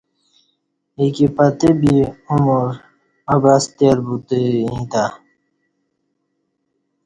آایکی پتہ بی عمر عبث تیر بوتہ ییں تہ